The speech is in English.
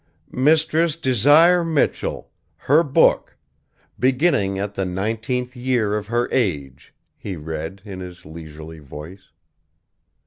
"'Mistress Desire Michell, her booke, Beginning at the nineteenth year of her Age,'" he read, in his leisurely voice.